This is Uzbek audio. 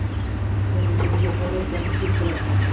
Men esa unga hayrat ila tikilib turardim